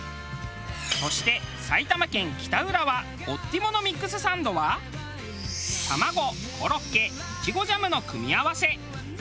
そして埼玉県北浦和ＯｔＴＩＭＯのミックスサンドはタマゴコロッケいちごジャムの組み合わせ。